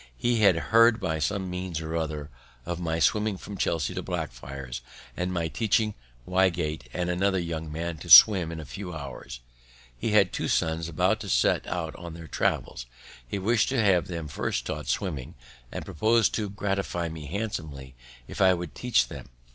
He had heard by some means or other of my swimming from Chelsea to Blackfriars, and of my teaching Wygate and another young man to swim in a few hours. He had two sons, about to set out on their travels; he wish'd to have them first taught swimming, and proposed to gratify me handsomely if I would teach them.